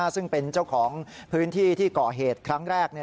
ซึ่งเป็นเจ้าของพื้นที่ที่ก่อเหตุครั้งแรก